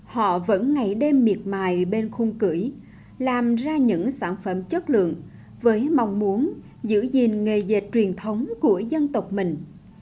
họ vẫn ngày đêm miệt mài bên khung cười làm ra những sản phẩm chất lượng với mong muốn giữ gìn nghề dệt truyền thống của dân tộc mình